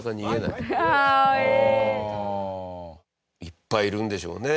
いっぱいいるんでしょうね。